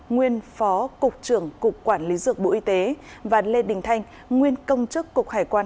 nguyên phó cục trưởng cục quản lý dược bộ y tế và lê đình thanh nguyên công chức cục hải quan